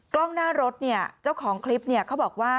กล้องหน้ารถเจ้าของคลิปเขาบอกว่า